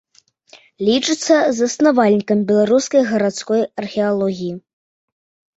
Лічыцца заснавальнікам беларускай гарадской археалогіі.